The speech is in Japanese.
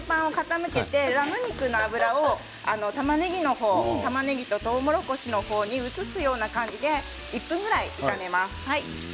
野菜を炒める時にラム肉の脂をたまねぎととうもろこしの方に移すような感じで１分ぐらい炒めます。